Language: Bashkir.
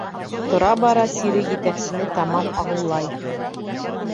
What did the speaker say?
Тора-бара сире етәксене тамам ағыулай.